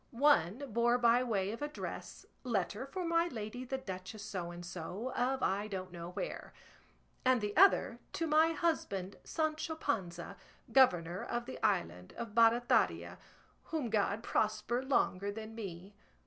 One bore by way of address, Letter for my lady the Duchess So and so, of I don't know where; and the other To my husband Sancho Panza, governor of the island of Barataria, whom God prosper longer than me.